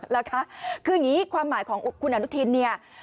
นะคะคืออย่างนี้ความหมายของคุณอนุทินเนี่ย